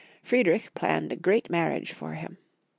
Friedrich planned a grand marriage for him.